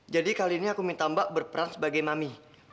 jadi kali ini aku minta mbak berperan sebagai mami